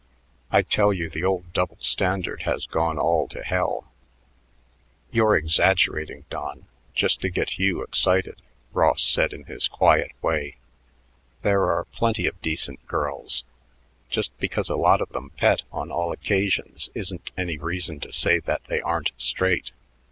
I tell you the old double standard has gone all to hell." "You're exaggerating, Don, just to get Hugh excited," Ross said in his quiet way. "There are plenty of decent girls. Just because a lot of them pet on all occasions isn't any reason to say that they aren't straight.